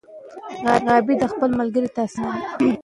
غابي د خپل ملګري تاثیر ومنه.